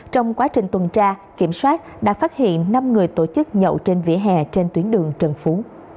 trong quá trình tuần tra kiểm soát đã phát hiện năm người tổ chức nhậu trên vỉa hè trên tuyến đường trần phú